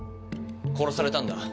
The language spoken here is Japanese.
殺されたんだ。